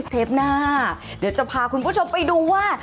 เทปหน้าเดี๋ยวจะพาคุณผู้ชมไปดูว่า